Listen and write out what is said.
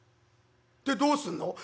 「でどうすんの？」。